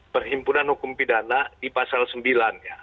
perhimpunan hukum pidana di pasal sembilan ya